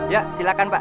ya silakan pak